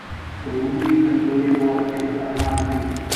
د عمومي کمزورۍ په وخت کې خطرناک وي.